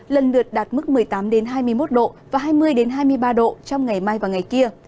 lần lượt đạt mức một mươi tám hai mươi một độ và hai mươi hai mươi ba độ trong ngày mai và ngày kia